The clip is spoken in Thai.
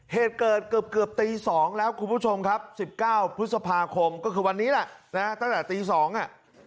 เหตุเกิดเกือบตี๒แล้วคุณผู้ชมครับ๑๙พฤษภาคมก็คือวันนี้แหละนะตั้งแต่ตี๒อ่ะ